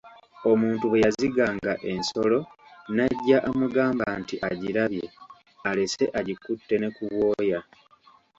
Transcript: Omuntu bwe yaziganga ensolo n'ajja amugamba nti agirabye alese agikutte ne ku bwoya.